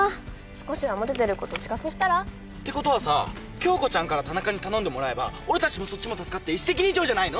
少しはモテてること自覚したら。ってことはさ響子ちゃんから田中に頼んでもらえば俺たちもそっちも助かって一石二鳥じゃないの？